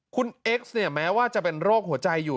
คุณเอ็กซ์เนี่ยแม้ว่าจะเป็นโรคหัวใจอยู่